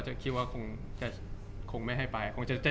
จากความไม่เข้าจันทร์ของผู้ใหญ่ของพ่อกับแม่